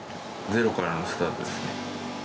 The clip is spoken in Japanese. ゼロからのスタートです。